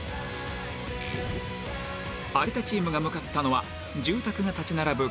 有田チームが向かったのは住宅が立ち並ぶ